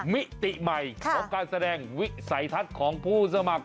มิติใหม่ของการแสดงวิสัยทัศน์ของผู้สมัคร